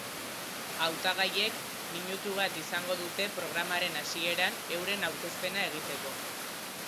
Hautagaiek minutu bat izango dute programaren hasieran euren aurkezpena egiteko.